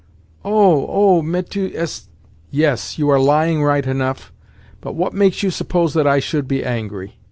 "Oh, oh! Mais tu es—" "Yes, you are lying right enough. But what makes you suppose that I should be angry?